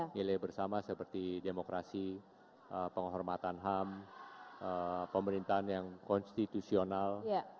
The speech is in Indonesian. nilai bersama seperti demokrasi penghormatan ham pemerintahan yang konstitusional